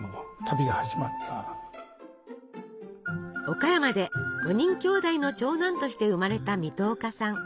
岡山で５人きょうだいの長男として生まれた水戸岡さん。